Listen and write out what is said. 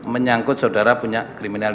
menyangkut saudara punya kriminal